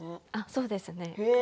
そうですね。